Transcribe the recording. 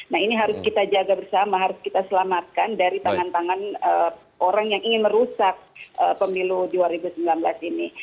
nah ini harus kita jaga bersama harus kita selamatkan dari tangan tangan orang yang ingin merusak pemilu dua ribu sembilan belas ini